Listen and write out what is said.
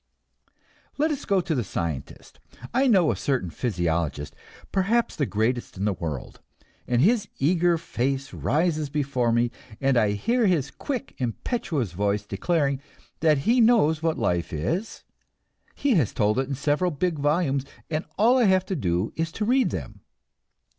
Let us go to the scientist. I know a certain physiologist, perhaps the greatest in the world, and his eager face rises before me, and I hear his quick, impetuous voice declaring that he knows what Life is; he has told it in several big volumes, and all I have to do is to read them.